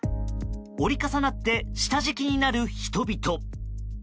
折り重なって下敷きになる人々。